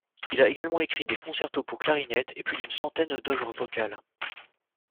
Il a également écrit des concertos pour clarinette, et plus d'une centaine d’œuvres vocales.